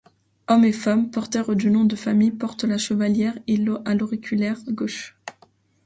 Hommes et femmes porteurs du nom de famille portent la chevalière à l’auriculaire gauche.